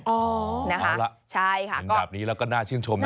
อ๋อเป็นแบบนี้แล้วก็น่าชื่นชมนะ